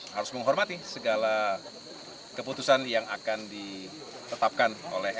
harus menghormati segala keputusan yang akan ditetapkan oleh